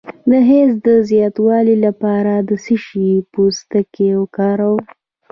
د حیض د زیاتوالي لپاره د څه شي پوستکی وکاروم؟